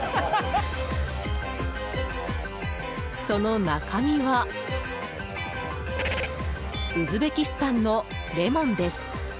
その中身はウズベキスタンのレモンです。